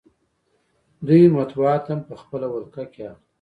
دوی مطبوعات هم په خپله ولکه کې اخلي